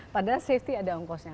padahal safety ada ongkosnya